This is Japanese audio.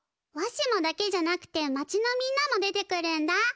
わしもだけじゃなくて町のみんなも出てくるんだ！